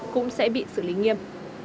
cũng sẽ bị xử lý nghiêm